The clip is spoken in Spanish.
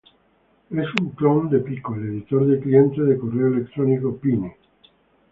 Es un clon de Pico, el editor del cliente de correo electrónico Pine.